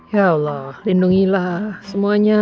ya allah lindungilah semuanya